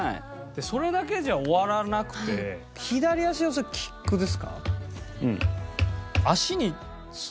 それだけじゃ終わらなくて左足はそれキックですか？